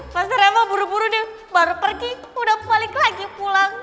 masa rema buru buru nih baru pergi udah balik lagi pulang